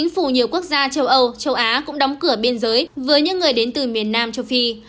chính phủ nhiều quốc gia châu âu châu á cũng đóng cửa biên giới với những người đến từ miền nam châu phi